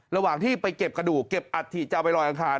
ระหว่างที่ไปเก็บกระดูกเก็บอัฐิจะเอาไปลอยอังคาร